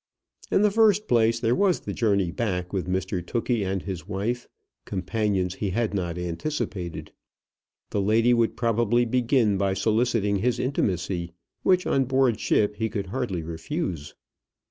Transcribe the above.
In the first place, there was the journey back with Mr Tookey and his wife, companions he had not anticipated. The lady would probably begin by soliciting his intimacy, which on board ship he could hardly refuse.